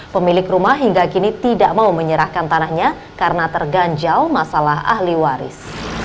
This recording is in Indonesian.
pemilik rumah hingga kini tidak mau menyerahkan tanahnya karena terganjal masalah ahli waris